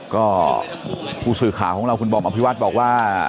ก็ผู้สื่อข่าวของเราคุณบอมอภิวัฒน์บอกว่า